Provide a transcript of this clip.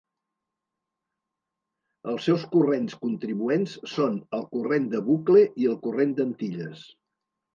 Els seus corrents contribuents són el Corrent de Bucle i el Corrent d'Antilles.